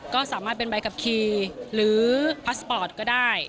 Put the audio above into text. ก็สามารถเป็นใบขับขี่หรือพาสปอร์ตก็ได้